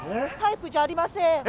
タイプじゃありません。